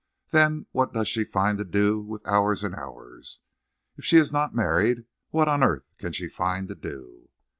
Then what does she find to do with hours and hours? If she is not married, what on earth can she find to do?"